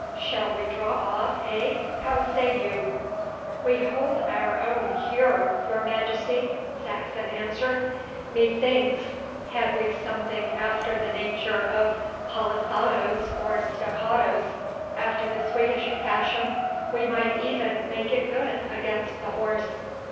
Shall we draw off, eh? How say you?' 'We hold our own here, your Majesty,' Saxon answered. 'Methinks had we something after the nature of palisados or stockados, after the Swedish fashion, we might even make it good against the horse.